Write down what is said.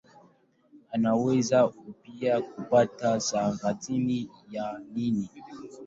Unaweza pia kupata saratani ya ini.